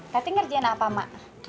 tati kerjaan apa mak